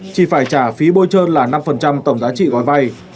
chỉ phải trả phí bôi trơn là năm tổng giá trị gói vay